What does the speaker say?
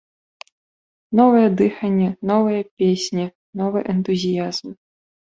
Новае дыханне, новыя песні, новы энтузіязм.